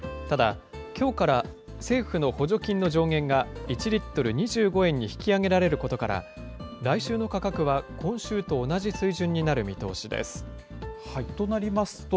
ただ、きょうから政府の補助金の上限が１リットル２５円に引き上げられることから、来週の価格は今週と同じ水準になる見通しです。